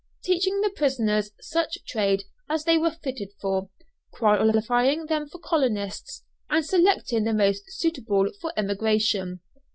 Teaching the prisoners such trades as they are fitted for, qualifying them for colonists, and selecting the most suitable for emigration.